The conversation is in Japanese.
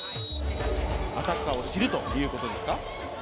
アタッカーを知るということですか？